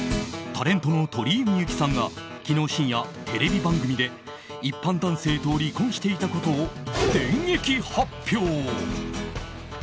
タレントの鳥居みゆきさんが昨日深夜、テレビ番組で一般男性と離婚していたことを電撃発表！